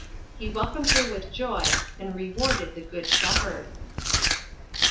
He welcomed her with joy, and rewarded the good shepherd.